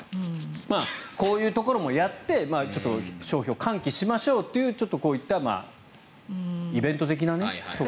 こういうところもやって消費を喚起しましょうというちょっとこういったイベント的なところも。